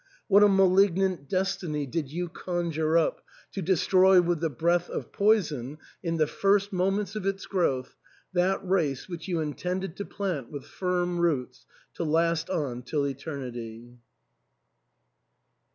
What a malignant destiny did you conjure up to destroy with the breath of poison, in the first moments of its growth, that race which you intended to plant with firm roots to last on till eternity